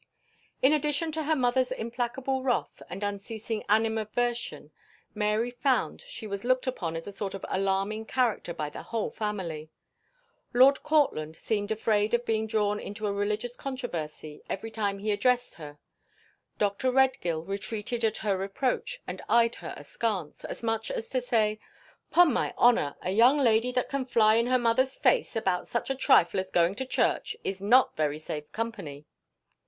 IN addition to her mother's implacable wrath and unceasing animadversion Mary found she was looked upon as a sort of alarming character by the whole family. Lord Courtland seemed afraid of being drawn into a religious controversy every time he addressed her. Dr. Redgill retreated at her approach and eyed her askance, as much as to say, "'Pon my honour, a young lady that can fly in her mother's face about such a trifle as going to church is not very safe company."